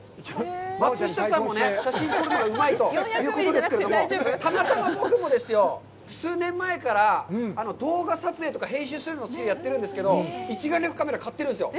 松下さんもね、写真を撮るのがうまいということですけれども、たまたま僕も数年前から、動画撮影とか編集とか好きでやっているんですけど、一眼レフカメラ、買ってるんですよ。